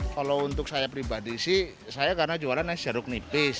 kalau untuk saya pribadi sih saya karena jualan es jeruk nipis